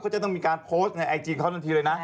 เขาจะต้องมีการโพสต์ในไอจีเขาทันทีเลยนะ